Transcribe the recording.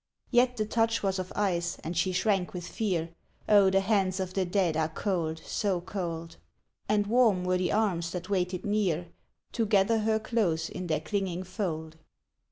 Yet the touch was of ice, and she shrank with fear Oh! the hands of the dead are cold, so cold And warm were the arms that waited near To gather her close in their clinging fold.